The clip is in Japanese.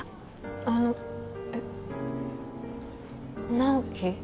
あのえっ直木？